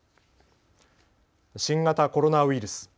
新型コロナウイルス。